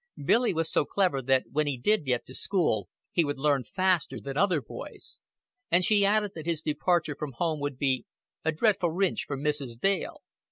Billy was so clever that when he did get to school he would learn faster than other boys; and she added that his departure from home would be "a dreadful wrinch for Mrs. Dale."